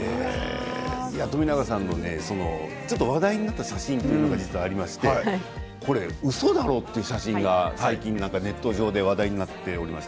冨永さんのちょっと話題になった写真というのが実はありまして、これ、うそだろう？という写真が最近ネット上で話題になっておりました。